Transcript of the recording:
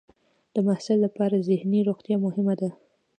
د محصل لپاره ذهني روغتیا مهمه ده.